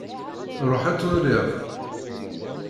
Ruḥ ad twaliḍ.